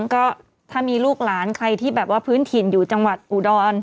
ก็ถ้ามีลูกหลานใครที่แบบว่าพื้นถิ่นอยู่จังหวัดอุดร